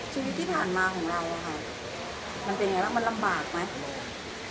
ชีวิตที่ผ่านมาของเราค่ะมันเป็นยังไงบ้างมันลำบากไหม